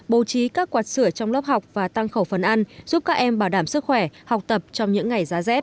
bố trí các quạt sửa trong lớp học và tăng khẩu phần ăn giúp các em bảo đảm sức khỏe học tập trong những ngày giá rét